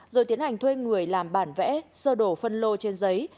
rồi tiến hành thuê người làm bản vẽ sơ đổ phân lô trên giấy